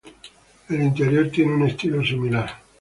El interior tiene un estilo similar.